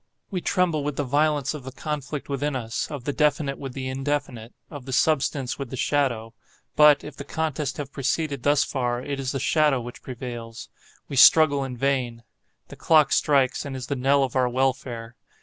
We tremble with the violence of the conflict within us,—of the definite with the indefinite—of the substance with the shadow. But, if the contest have proceeded thus far, it is the shadow which prevails,—we struggle in vain. The clock strikes, and is the knell of our welfare.